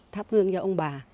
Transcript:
tháp hương cho ông bà